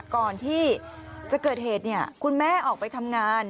ก่อนที่จะเกิดเหตุคุณแม่ออกไปทำงาน